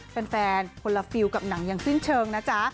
แฟนคนละฟิลกับหนังอย่างสิ้นเชิงนะจ๊ะ